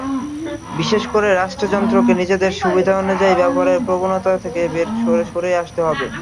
বিশেষ করে রাষ্ট্রযন্ত্রকে নিজেদের সুবিধা অনুযায়ী ব্যবহারের প্রবণতা থেকে সরে আসতে হবে।